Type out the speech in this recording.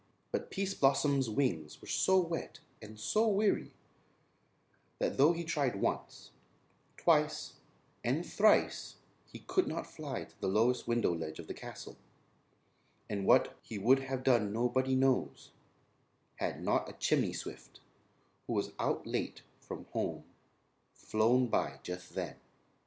But Pease Blossom's wings were so wet and so weary that though he tried once, twice, and thrice he could not fly to the lowest window ledge of the castle; and what he would have done nobody knows had not a chimney swift who was out late from home flown by just then.